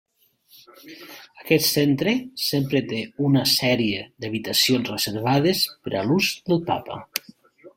Aquest centre sempre té una sèrie d'habitacions reservades per a l'ús del papa.